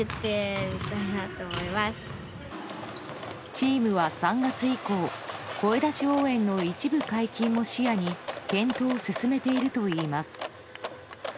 チームは３月以降声出し応援の一部解禁も視野に検討を進めているといいます。